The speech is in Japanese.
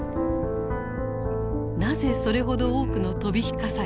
なぜそれほど多くの飛び火火災が起こったのか。